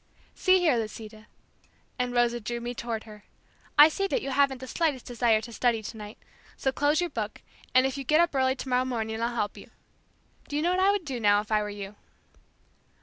"See here, Lisita," and Rosa drew me toward her, "I see that you haven't the slightest desire to study tonight, so close your book, and if you get up early tomorrow morning I'll help you. Do you know what I would do now if I were you."